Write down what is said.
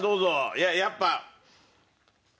いややっぱ。